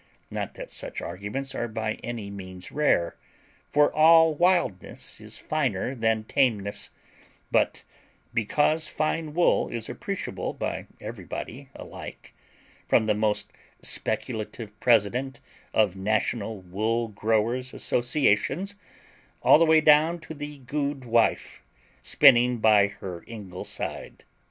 Not that such arguments are by any means rare, for all wildness is finer than tameness, but because fine wool is appreciable by everybody alike—from the most speculative president of national wool growers' associations all the way down to the gude wife spinning by her ingleside."